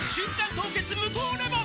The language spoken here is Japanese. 凍結無糖レモン」